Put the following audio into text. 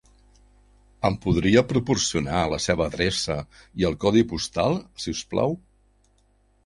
Em podria proporcionar la seva adreça i el codi postal, si us plau?